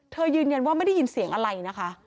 ยืนยันว่าไม่ได้ยินเสียงอะไรนะคะ